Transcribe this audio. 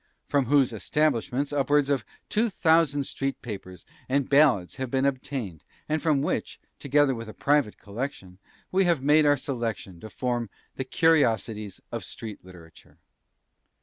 From whose "establishments" upwards of two thousand street "papers" and "ballads" have been obtained, and from which together with a private collection we have made our selection to form "THE CURIOSITIES OF STREET LITERATURE."